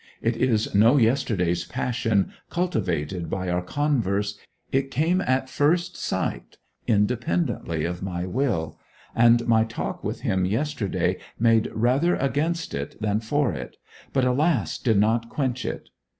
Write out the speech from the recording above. It is no yesterday's passion, cultivated by our converse; it came at first sight, independently of my will; and my talk with him yesterday made rather against it than for it, but, alas, did not quench it.